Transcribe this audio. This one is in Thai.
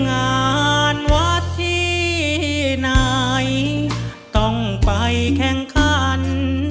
งานวัดที่ไหนต้องไปแข่งขัน